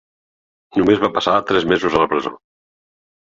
Només va passar tres mesos a la presó.